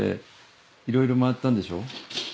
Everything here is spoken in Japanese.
いろいろ回ったんでしょ？